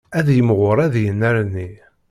Ad yimɣur ad yennerni.